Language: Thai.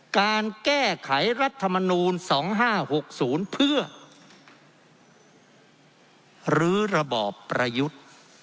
การแก้ไขรัฐมนูล๒๕๖๐เพื่อลื้อระบอบประยุทธ์